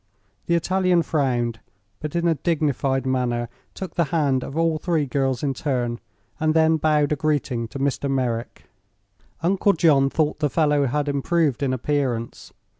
The Italian frowned, but in a dignified manner took the hand of all three girls in turn and then bowed a greeting to Mr. Merrick. Uncle John thought the fellow had improved in appearance.